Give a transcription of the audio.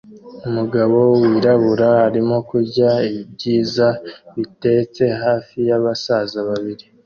Umugabo wirabura arimo kurya ibyiza bitetse hafi yabasaza babiri